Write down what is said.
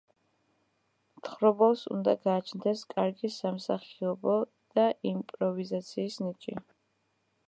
მთხრობელს უნდა გააჩნდეს კარგი სამსახიობო და იმპროვიზაციის ნიჭი.